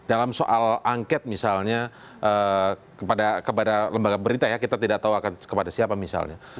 angket misalnya kepada lembaga berita ya kita tidak tahu akan kepada siapa misalnya